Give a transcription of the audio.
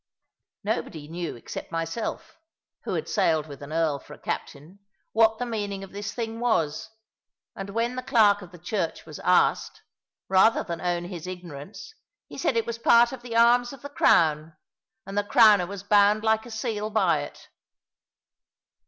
Nobody knew except myself (who had sailed with an earl for a captain) what the meaning of this thing was; and when the clerk of the church was asked, rather than own his ignorance, he said it was part of the arms of the crown; and the Crowner was bound like a seal by it.